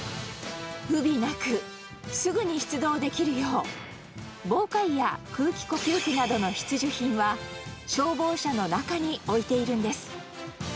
不備なく、すぐに出動できるよう、防火衣や空気呼吸器などの必需品は、消防車の中に置いているんです。